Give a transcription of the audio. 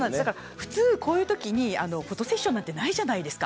こういうときは普通フォトセッションなんかないじゃないですか。